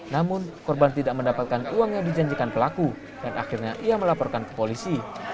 namun korban tidak mendapatkan uang yang dijanjikan pelaku dan akhirnya ia melaporkan ke polisi